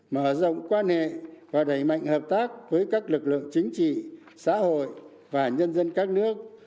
mở rộng quan hệ và đẩy mạnh hợp tác với các lực lượng chính trị xã hội và nhân dân các nước